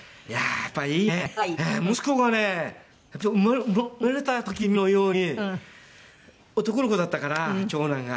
やっぱり最初生まれた時のように男の子だったから長男が。